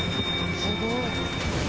すごい！